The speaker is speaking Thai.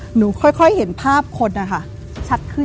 หนูค่อยเห็นภาพคนอะค่ะ